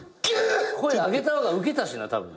声あげた方がウケたしなたぶん。